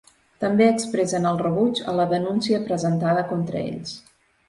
També expressen el rebuig a la denúncia presentada contra ells.